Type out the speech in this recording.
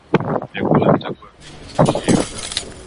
Vyakula vitakua vingi siku hiyo